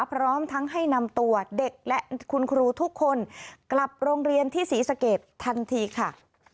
พร้อมทั้งให้นำตัวเด็กและคุณครูทุกคนกลับโรงเรียนที่ศรีสะเกดทันทีค่ะ